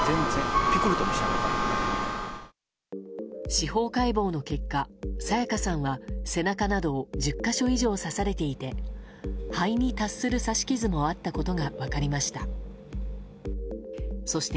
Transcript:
司法解剖の結果彩加さんは背中などを１０か所以上刺されていて肺に達する刺し傷もあったことが分かりました。